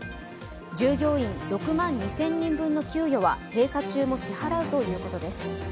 従業員６万２０００人分の給与は閉鎖中も支払うということです。